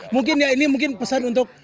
mungkin ya ini mungkin pesan untuk